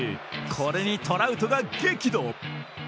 これにトラウトが激怒。